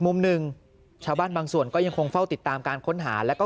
มุมหนึ่งชาวบ้านบางส่วนก็ยังคงเฝ้าติดตามการค้นหาแล้วก็